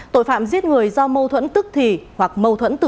tội phạm giết người do mâu thuẫn tức thì hoặc mâu thuẫn từ